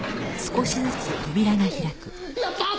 やった！